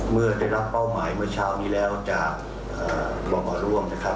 เมื่อได้รับเป้าหมายเมื่อเช้านี้แล้วจากรอมาร่วมนะครับ